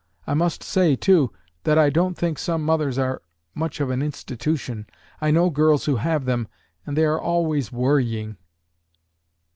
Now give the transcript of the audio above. I must say, too, that I don't think some mothers are much of an institution. I know girls who have them, and they are always worrying."